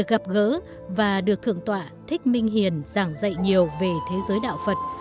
gặp gỡ và được thượng tọa thích minh hiền giảng dạy nhiều về thế giới đạo phật